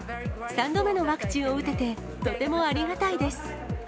３度目のワクチンを打てて、とてもありがたいです。